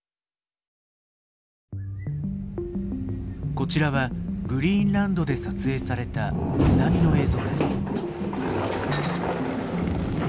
こちらはグリーンランドで撮影された津波の映像です。